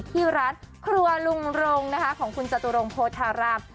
ที่ร้านครัวลุ่มรงนะคะของชัตรวงโพธาราบ